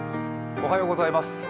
おはようございます。